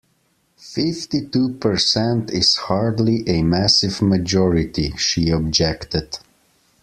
Fifty-two percent is hardly a massive majority, she objected